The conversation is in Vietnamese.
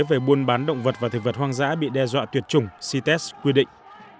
về buôn bán động vật và thực vật hoang dã bị đe dọa thiệt chủng cites quy định